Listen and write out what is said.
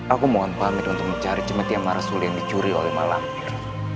aku mohon pamit untuk mencari cemeti yang marasuli yang dicuri oleh malamir